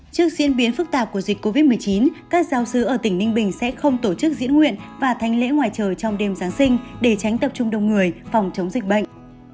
trước diễn biến phức tạp của dịch covid một mươi chín các giáo sứ ở tỉnh ninh bình sẽ không tổ chức diễn nguyện và thanh lễ ngoài trời trong đêm giáng sinh để tránh tập trung đông người phòng chống dịch bệnh